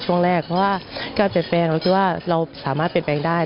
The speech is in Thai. เพราะว่าการเปลี่ยนแปลงคือว่าเราสามารถเปลี่ยนแปลงได้